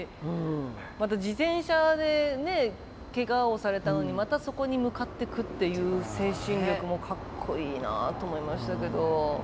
また自転車でケガをされたのにまたそこに向かってくっていう精神力もカッコいいなと思いましたけど。